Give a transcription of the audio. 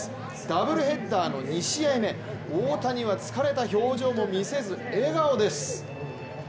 ダブルヘッダーの２試合目大谷は疲れた表情も見せず笑顔です。